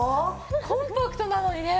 コンパクトなのにね